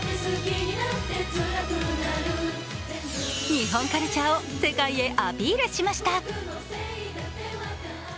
日本カルチャーを世界へアピールしました。